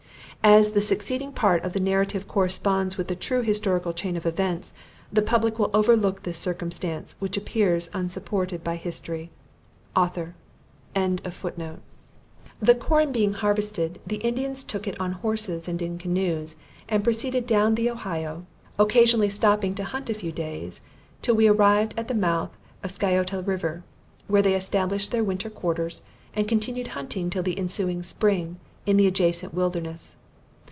As the succeeding part of the narrative corresponds with the true historical chain of events, the public will overlook this circumstance, which appears unsupported by history. AUTHOR.] The corn being harvested, the Indians took it on horses and in canoes, and proceeded down the Ohio, occasionally stopping to hunt a few days, till we arrived at the mouth of Sciota river; where they established their winter quarters, and continued hunting till the ensuing spring, in the adjacent wilderness.